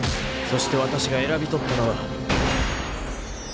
［そしてわたしが選びとったのは］